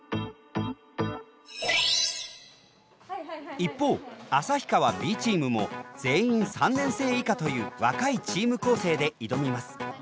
一方旭川Ｂチームも全員３年生以下という若いチーム構成で挑みます。